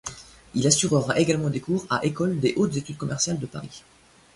Il assurera également des cours à École des hautes études commerciales de Paris.